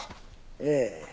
ええ。